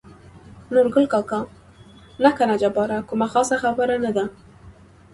نورګل کاکا: نه کنه جباره کومه خاصه خبره نه ده.